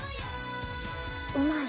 うまい！